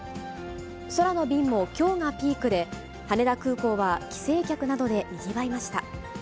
空の便もきょうがピークで、羽田空港は帰省客などでにぎわいました。